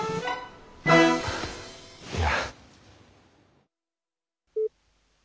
いや。